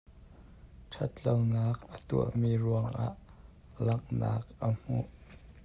Ṭhat lonak a tuahmi ruangah langh nak a hmu.